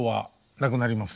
亡くなります。